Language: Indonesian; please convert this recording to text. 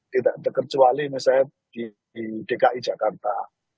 tidak terkecuali misalnya di dki jakarta